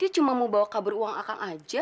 dia cuma mau bawa kabur uang akang aja